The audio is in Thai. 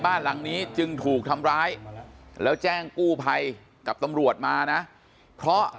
บ้านหลังนี้จึงถูกทำร้ายแล้วแจ้งกู้ภัยกับตำรวจมานะเพราะ